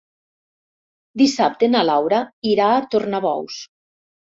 Dissabte na Laura irà a Tornabous.